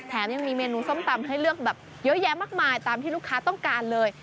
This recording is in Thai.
ยังมีเมนูส้มตำให้เลือกแบบเยอะแยะมากมายตามที่ลูกค้าต้องการเลย